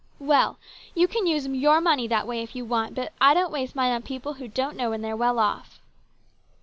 " Well, you can use your money that way if you want, but I don't waste mine on people who don't know when they're well off."